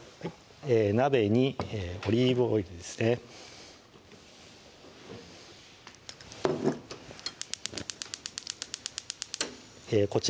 鍋にオリーブオイルですねこちら